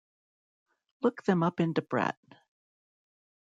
Look them up in Debrett.